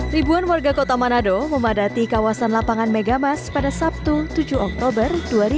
ribuan warga kota manado memadati kawasan lapangan megamas pada sabtu tujuh oktober dua ribu dua puluh